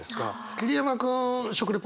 桐山君食レポ